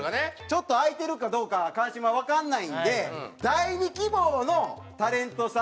ちょっと空いてるかどうか川島わからないんで第２希望のタレントさんに連絡します。